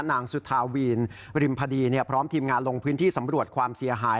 นางสุธาวีนริมพดีพร้อมทีมงานลงพื้นที่สำรวจความเสียหาย